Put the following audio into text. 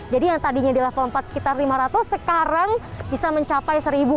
jadi yang tadinya di level empat sekitar lima ratus sekarang bisa mencapai seribu